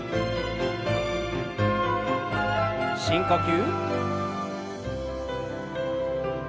深呼吸。